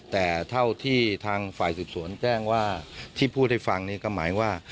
แต่เท่าที่ทางฝ่ายสืบสวนแจ้งว่าที่พูดให้ฟังนี่ก็หมายว่า